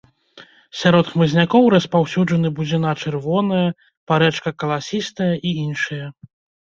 Сярод хмызнякоў распаўсюджаны бузіна чырвоная, парэчка каласістая і іншыя.